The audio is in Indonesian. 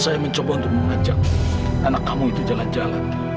saya mencoba untuk mengajak anak kamu itu jalan jalan